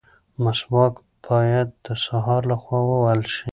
مسواک باید د سهار لخوا ووهل شي.